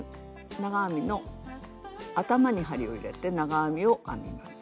長編みの頭に針を入れて長編みを編みます。